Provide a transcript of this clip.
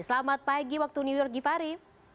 selamat pagi waktu new york givhary